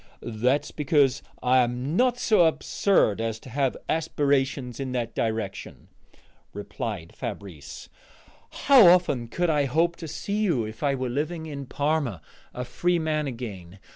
"That's because I am not so absurd as to have aspirations in that direction," replied Fabrice. "How often could I hope to see you if I were living in Parma, a free man again?